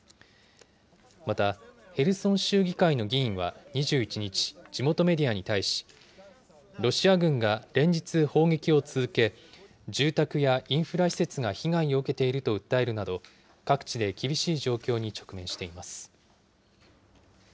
また、ヘルソン州議会の議員は２１日、地元メディアに対し、ロシア軍が連日砲撃を続け、住宅やインフラ施設が被害を受けていると訴えるなど、各地で厳しい状況に直面しています。